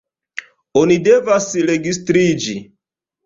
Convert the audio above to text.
Oni devas registriĝi.